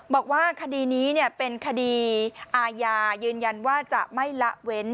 บอกว่าคดีนี้เป็นคดีอาญายืนยันว่าจะไม่ละเว้น